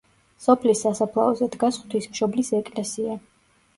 სოფლის სასაფლაოზე დგას ღვთისმშობლის ეკლესია.